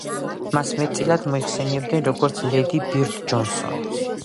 მას მეტწილად მოიხსენიებდნენ, როგორც ლედი ბირდ ჯონსონს.